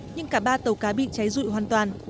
nhưng cả ba tàu cá bị cháy rụi hoàn toàn